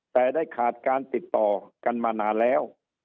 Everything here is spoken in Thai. แต่ได้ขาดการติดต่อกันมานานแล้ว